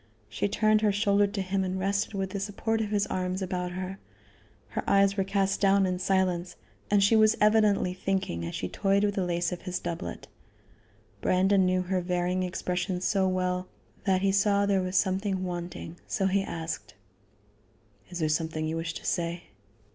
She turned her shoulder to him and rested with the support of his arms about her. Her eyes were cast down in silence, and she was evidently thinking as she toyed with the lace of his doublet. Brandon knew her varying expressions so well that he saw there was something wanting, so he asked: "Is there something you wish to say?"